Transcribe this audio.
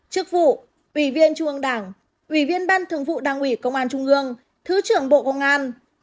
chức vụ ủy viên trung ương đảng ủy viên ban thường vụ đảng ủy công an trung ương thứ trưởng bộ công an